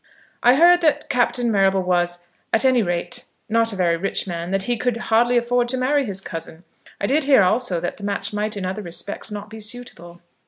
"I heard that Captain Marrable was, at any rate, not a very rich man; that he could hardly afford to marry his cousin. I did hear, also, that the match might in other respects not be suitable."